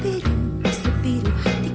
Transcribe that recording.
nunggu sus goreng